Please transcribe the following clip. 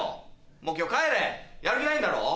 もう今日帰れやる気ないんだろ？